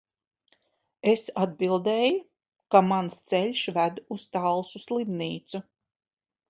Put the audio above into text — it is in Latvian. Es atbildēju, ka mans ceļš ved uz Talsu slimnīcu.